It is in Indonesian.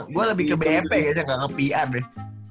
gue lebih ke bmp aja gak ke pr deh